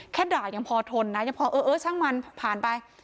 ด่ายังพอทนนะยังพอเออเออช่างมันผ่านไป